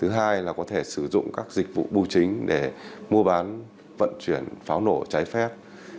thứ hai là có thể sử dụng các dịch vụ bưu chính để mua bán vận chuyển pháo nổ trái phép